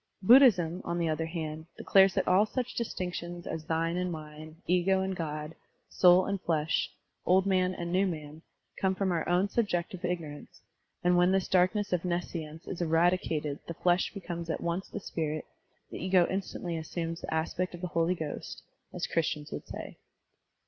Buddhism, on the other hand, declares that all such distinctions as thine and mine, ego and God, Digitized by Google ASSERTIONS AND DENIALS 5 1 soul and flesh, "old man" and "new man," come from our own subjective ignorance, and that when this darkness of nescience is eradi cated the flesh becomes at once the spirit, the ego instantly assumes the aspect of the Holy Ghost, as Christians would say.